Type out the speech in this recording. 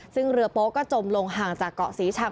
ซึ่งเรือโป๊ก็จมลงห่างจากเกาะศรีชัง